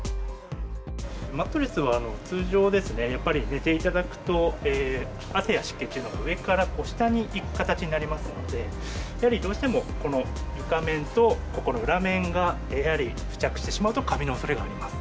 マットレスは、通常、やっぱり寝ていただくと、汗や湿気というのは、上から下に行く形になりますので、やはりどうしてもこの床面とこの裏面が、やはり付着してしまうと、カビのおそれがあります。